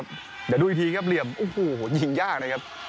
เดี๋ยวดูอีกทีครับเหลี่ยมโอ้โหยิงยากนะครับ